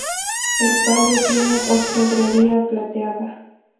El palio tiene orfebrería plateada.